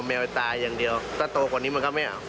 แมวตายอย่างเดียวถ้าโตกว่านี้มันก็ไม่เอา